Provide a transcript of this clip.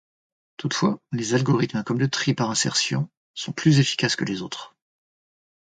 Toutefois les algorithmes comme le tri par insertion sont plus efficaces que les autres.